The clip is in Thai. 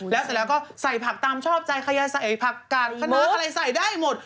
แล้วเสร็จแล้วก็ใส่ผักตามชอบใจใครจะใส่ผักกาดคณะอะไรใส่ได้หมด